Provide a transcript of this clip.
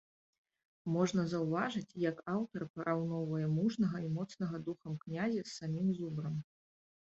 Можна заўважыць, як аўтар параўноўвае мужнага і моцнага духам князя з самім зубрам.